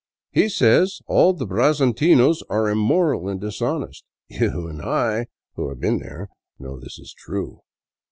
" He says all the brazintinos are immoral and dishonest. You and I, who have been there, know this is true.